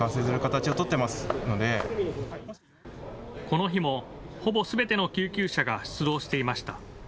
この日もほぼすべての救急車が出動していました。